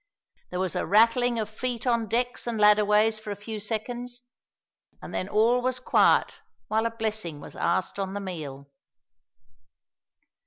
There was a rattling of feet on decks and ladderways for a few seconds, and then all was quiet while a blessing was asked on the meal.